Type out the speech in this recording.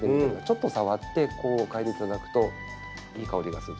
ちょっと触ってこう嗅いでいただくといい香りがする。